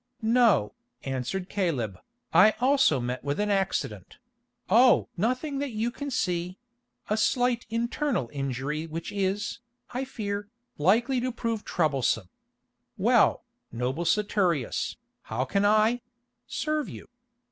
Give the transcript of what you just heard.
"No," answered Caleb, "I also met with an accident—oh! nothing that you can see—a slight internal injury which is, I fear, likely to prove troublesome. Well, noble Saturius, how can I—serve you?